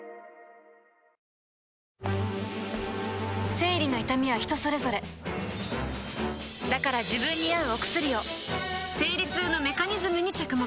生理の痛みは人それぞれだから自分に合うお薬を生理痛のメカニズムに着目